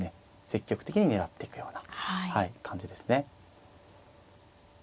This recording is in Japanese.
積極的に狙っていくような感じですね。